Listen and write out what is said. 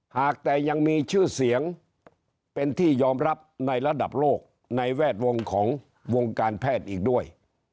หากแต่ยังมีชื่อเสียงเป็นที่ยอมรับในระดับโลกในแวดวงของวงการแพทย์อีกด้วย